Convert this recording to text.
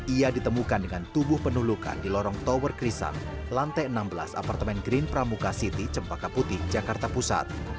ia ditemukan dengan tubuh penuh luka di lorong tower krisan lantai enam belas apartemen green pramuka city cempaka putih jakarta pusat